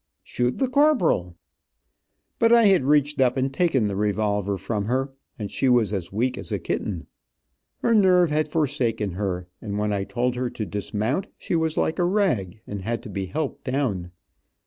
Shoot the corporal." But I had reached up and taken the revolver from her, and she was weak as a kitten. Her nerve had forsaken her, and when I told her to dismount she was like a rag, and had to be helped down.